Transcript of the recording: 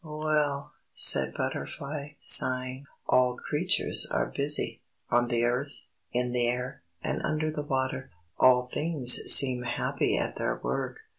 _" "Well!" said Butterfly, sighing. "All creatures are busy, on the earth, in the air, and under the water. All things seem happy at their work.